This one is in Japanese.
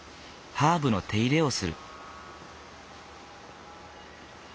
ハーブの手入れをする。